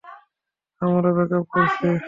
আমরা ব্রেকাপ করছি!